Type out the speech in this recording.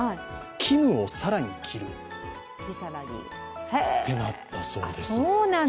衣を更に着るってなったそうです。